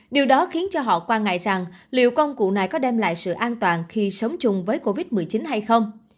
điều đó khiến cho họ quan ngại rằng liệu công cụ này có đem lại sự an toàn khi sống chung với covid một mươi chín hay không